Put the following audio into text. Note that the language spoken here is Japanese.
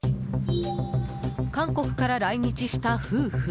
韓国から来日した夫婦。